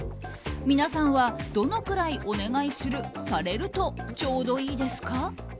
皆さんはどのくらいお願いする、されるとちょうどいいですか？